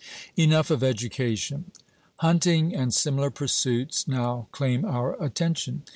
Enough of education. Hunting and similar pursuits now claim our attention.